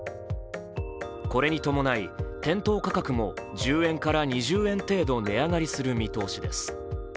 これに伴い店頭価格も１０円から２０円程度値上がりする見通しです。